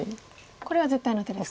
これは絶対の手ですか。